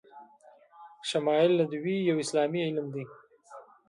شمایل ندوی یو اسلامي علم ده